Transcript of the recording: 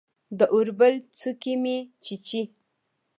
د اوربل څوکې مې چیچي